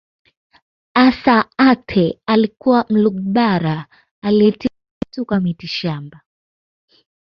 Assa Aatte alikuwa Mlugbara aliyetibu watu kwa mitishamba